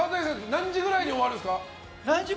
何時くらいに終わるんですか？